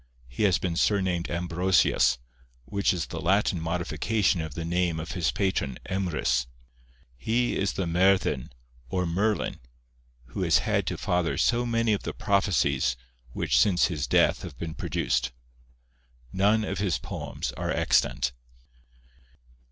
He has been surnamed Ambrosius, which is the Latin modification of the name of his patron Emrys. He is the Merddin, or Merlin, who has had to father so many of the prophecies which since his death have been produced. None of his poems are extant.